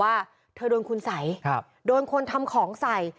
เธอยาดูถึงขุนใสโดนคนทำของใส